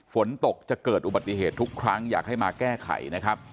ฝนตกจะเกิดอุบัติเหตุทุกครั้งอยากให้มาแก้ไขนะครับ